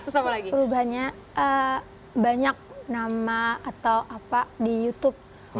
terus perubahannya banyak nama atau apa di youtube